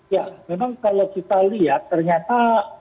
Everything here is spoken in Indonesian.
ya memang kalau kita lihat ternyata